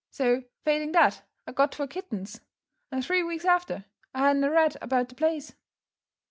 So, failing that, I got twa kittens; and three weeks after, I hadn't a rat about the place."